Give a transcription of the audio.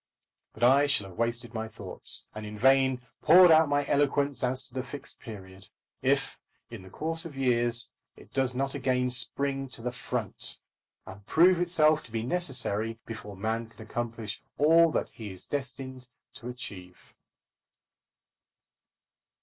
But I shall have wasted my thoughts, and in vain poured out my eloquence as to the Fixed Period, if, in the course of years, it does not again spring to the front, and prove itself to be necessary before man can accomplish all that he is destined to achieve.